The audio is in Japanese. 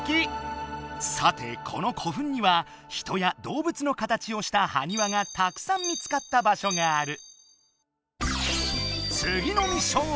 さてこの古墳には人やどうぶつの形をしたはにわがたくさん見つかった場しょがある。